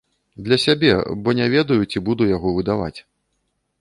Для сябе, бо не ведаю, ці буду яго выдаваць.